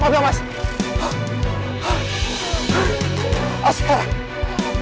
pak kenapa pak